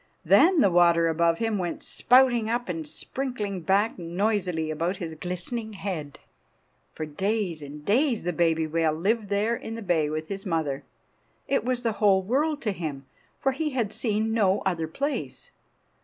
Then the water above him went spouting up, and sprinkling back noisily about his glistening head. For days and days the baby whale lived there in the bay with his mother. It was the whole world to him, for he had seen no other place.